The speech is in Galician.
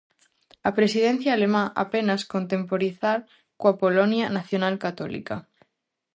A presidencia alemá apenas contemporizar coa Polonia nacional-católica.